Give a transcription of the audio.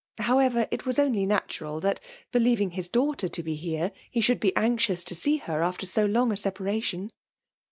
However^ it was only ttatural that, believing his daughter to be here, he should be anxious to see her after so long a aeparation.